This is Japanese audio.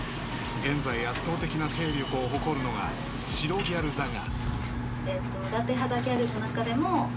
現在圧倒的な勢力を誇るのが白ギャルだが］